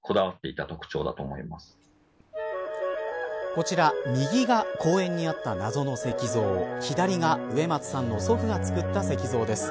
こちら右が公園にあった謎の石像左が植松さんの祖父が作った石像です。